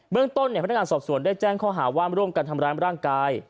เรื่องต้นพนักงานสอบสวนได้แจ้งข้อหาว่าร่วมกันทำร้ายร่างกาย